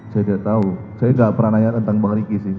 saya tidak tahu saya nggak pernah nanya tentang bang riki sih